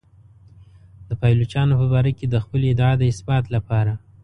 د پایلوچانو په باره کې د خپلې ادعا د اثبات لپاره.